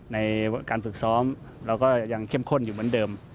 ในการฝึกซ้อมเราก็ยังเข้มข้นอยู่เหมือนเดิม